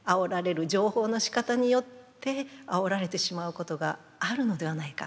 情報のしかたによってあおられてしまうことがあるのではないか。